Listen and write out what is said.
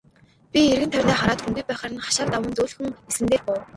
Би эргэн тойрноо хараад хүнгүй байхаар нь хашааг даван зөөлхөн элсэн дээр буув.